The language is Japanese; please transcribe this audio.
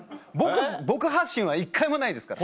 僕発信は１回もないですから。